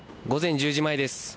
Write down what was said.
午前１０時前です。